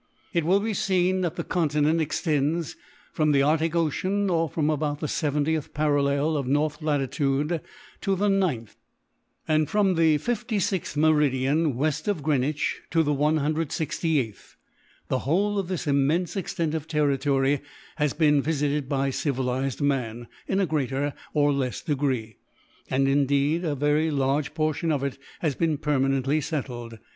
It will be seen that the continent extends from the Arctic ocean, or from about the 70th parallel of north latitude, to the 9th; and from the 56th meridian west of Greenwich, to the 168th. The whole of this immense extent of territory has been visited by civilized man, in a greater or less degree; and indeed a very large portion of it has been permanently settled.